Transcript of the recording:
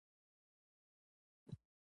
تر پغمان پوري محمدعزیز خان بوتلو.